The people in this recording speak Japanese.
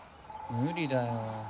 無理だよ。